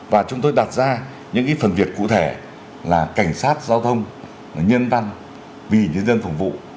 và chúng tôi đặt ra những phần việc cụ thể là cảnh sát giao thông nhân văn vì nhân dân phục vụ